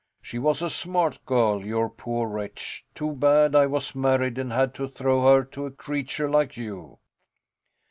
She was a smart girl, you poor wretch. Too bad I was married and had to throw her to a creature like you.